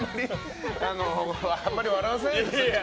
あんまり笑わせないでください。